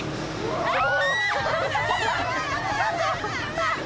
あっ！